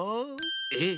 えっ？